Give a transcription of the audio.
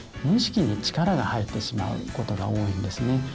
無意識に力が入ってしまうことが多いんですね。